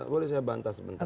boleh saya bantah sebentar